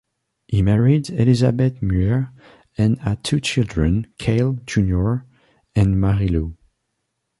He married Elizabeth Muir and had two children, Cale, Junior and Marilu.